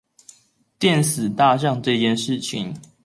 電死大象這件事情